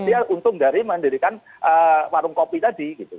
dia untung dari mendirikan warung kopi tadi gitu